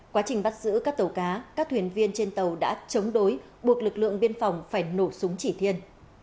quá trình bắt giữ các tàu cá các thuyền viên trên tàu đã chống đối buộc lực lượng biên phòng phải nổ súng chỉ thiên